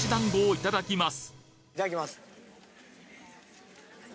いただきます。